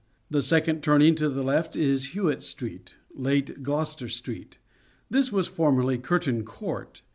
The second turning to the left is Hewett Street, late Gloucester Street. This was formerly Curtain Court.